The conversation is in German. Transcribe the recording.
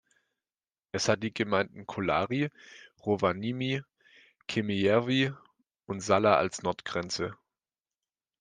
Es hat die Gemeinden Kolari, Rovaniemi, Kemijärvi und Salla als Nordgrenze.